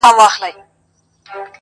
ه ټول ياران دې ولاړل له يارانو سره~